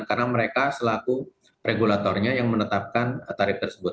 karena mereka selaku regulatornya yang menetapkan tarif tersebut